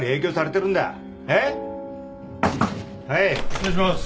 失礼します。